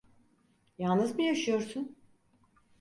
Yalnız mı yaşıyorsun?